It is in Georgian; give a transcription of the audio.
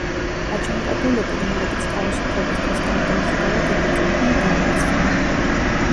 აჯანყებულები რომლებიც თავისუფლებისთვის თავდაუზოგავად იბრძოდნენ დამარცხდნენ.